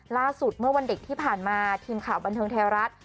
ล่าสุดเมื่อวันเด็กที่ผ่านมาทีมข่าวบันเทิงไทยรัฐ